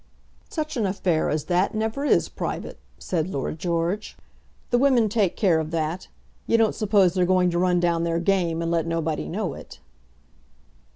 "Such an affair as that never is private," said Lord George. "The women take care of that. You don't suppose they're going to run down their game, and let nobody know it."